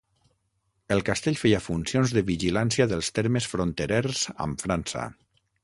El castell feia funcions de vigilància dels termes fronterers amb França.